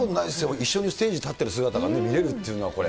一緒にステージ立ってる姿が見れるというのは、これ。